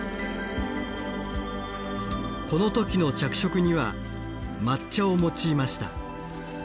この時の着色には抹茶を用いました。